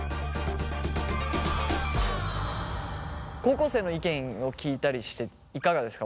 高校生の意見を聞いたりしていかがですか？